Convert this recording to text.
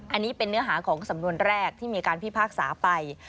อันนี้เป็นเนื้อหาของสำนวนแรกที่มีการพิพากษาไป